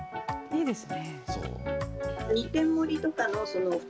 いいですね。